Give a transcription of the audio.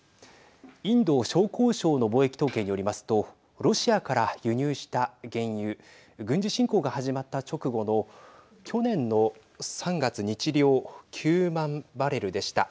インド商工省の貿易統計によりますとロシアから輸入した原油軍事侵攻が始まった直後の去年の３月日量９万バレルでした。